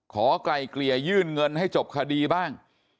ไกลเกลี่ยยื่นเงินให้จบคดีบ้าง